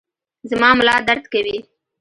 زما ملا درد کوي